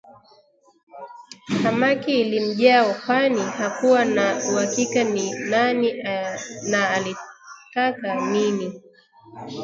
Hamaki ilimjaa kwani hakuwa na uhakika ni nani na alitaka nini